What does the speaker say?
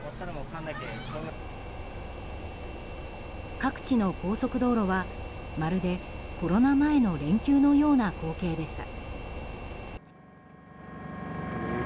各地の高速道路は、まるでコロナ前の連休ような光景でした。